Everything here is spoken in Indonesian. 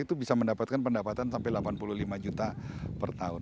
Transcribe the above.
itu bisa mendapatkan pendapatan sampai delapan puluh lima juta per tahun